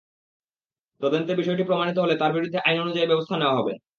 তদন্তে বিষয়টি প্রমাণিত হলে তাঁর বিরুদ্ধে আইন অনুযায়ী ব্যবস্থা নেওয়া হবে।